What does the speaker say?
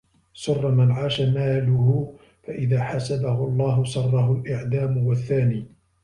سُرَّ مَنْ عَاشَ مَالُهُ فَإِذَا حَاسَبَهُ اللَّهُ سَرَّهُ الْإِعْدَامُ وَالثَّانِي